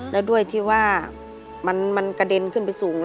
แล้วด้วยที่ว่ามันกระเด็นขึ้นไปสูง